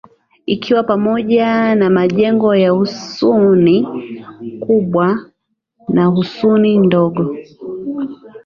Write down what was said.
ikiwa pamoja na majengo ya Husuni kubwa na Husuni ndogo